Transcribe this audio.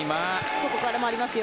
ここからもありますよ。